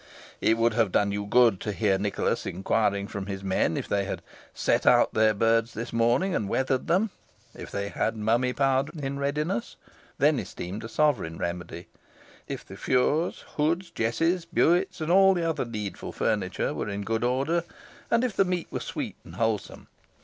It would have done you good to hear Nicholas inquiring from his men if they had "set out their birds that morning, and weathered them;" if they had mummy powder in readiness, then esteemed a sovereign remedy; if the lures, hoods, jesses, buets, and all other needful furniture, were in good order; and if the meat were sweet and wholesome.